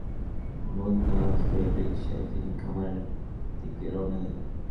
অন্যদিনের মতোই শনিবার সকালে মুন্নাফের রিকশায় তিনি খামারের দিকে রওনা দেন।